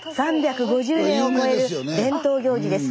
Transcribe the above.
３５０年を超える伝統行事です。